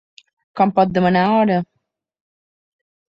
Com pots demanar hora?